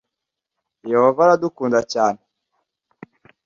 Yehova aradukunda cyane.